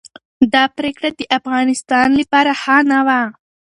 دا پریکړه د افغانستان لپاره ښه نه وه.